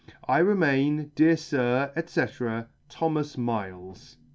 " I remain, Dear Sir, &c. " Thomas Miles."